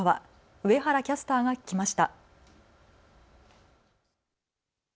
上原キャスターが聞きました。